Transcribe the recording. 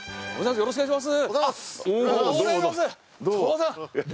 よろしくお願いします。